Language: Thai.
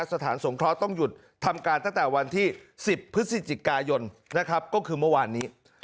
สถานสงเคราะห์ต้องหยุดทำการตั้งแต่วันที่๑๐พฤศจิกายนนะครับก็คือเมื่อวานนี้